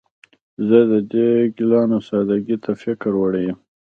زه د دې ګلانو سادګۍ ته فکر وړی یم